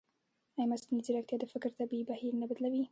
ایا مصنوعي ځیرکتیا د فکر طبیعي بهیر نه بدلوي؟